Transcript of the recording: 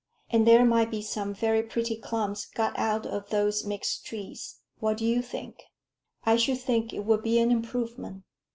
And there might be some very pretty clumps got out of those mixed trees. What do you think?" "I should think it would be an improvement.